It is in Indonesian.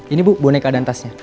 ini bu boneka dan tasnya